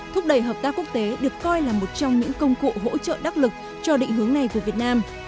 thúc đẩy hợp tác quốc tế được coi là một trong những công cụ hỗ trợ đắc lực cho định hướng này của việt nam